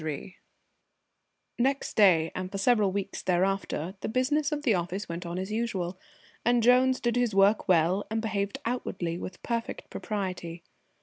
III Next day, and for several weeks thereafter, the business of the office went on as usual, and Jones did his work well and behaved outwardly with perfect propriety.